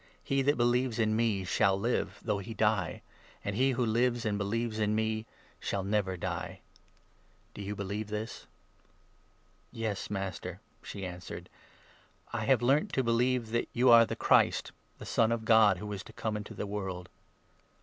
"He 25 that believes in me shall live, though he die ; and he who 26 lives and believes in me shall never die. Do you believe this? ''• Ves Master," she answered ; "I have learnt to believe 27 that you are the Christ, the Son of God, 'who was to come' into the world."